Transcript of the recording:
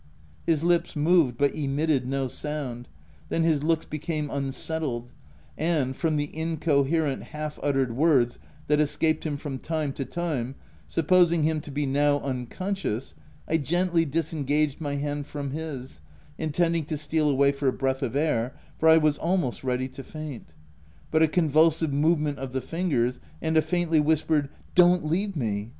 His lips moved but emitted no sound ;— then his looks became unsettled ; and, from the in coherent half uttered words that escaped him from time to time, supposing him to be now unconscious, I gently disengaged my hand from his, intending to steal away for a breath of air, for I was almost ready to faint ; but a convul sive movement of the fingers, and a faintly whispered " Don't leave me 8?